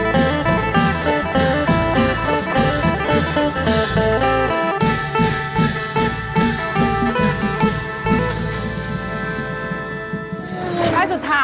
ในตัวเศร้าหรือพิชาพอดเวียนนาน